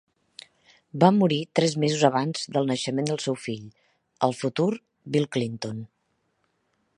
Va morir tres mesos abans del naixement del seu fill, el futur Bill Clinton.